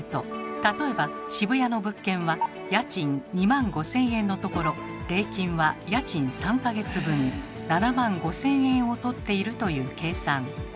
例えば渋谷の物件は家賃２万５，０００円のところ礼金は家賃３か月分７万５，０００円を取っているという計算。